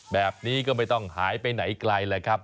แบบนี้ก็ไม่ต้องหายไปไหนไกลแหละครับ